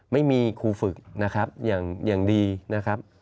ไม่มีครูฝึกนะครับอย่างดีนะครับ